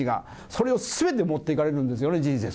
それをすべて持っていかれるんですよね、人生。